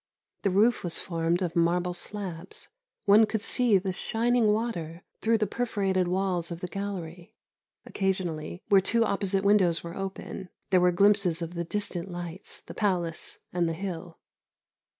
The roof was formed of marble slabs. One could see the shining water through the perforated walls of the gallery; occasionally, where two opposite windows were open, there were glimpses of the distant lights, the palace, and the hill.